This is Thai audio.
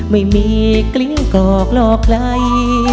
ไม่มีกลิ้งกรอกหลอกใคร